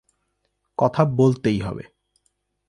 কথা বলতেই হবে!